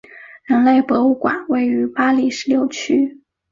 人类博物馆位于巴黎十六区。